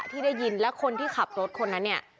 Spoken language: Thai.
ที่ได้ยินและคนที่ขับรถคนนั้นเนี่ย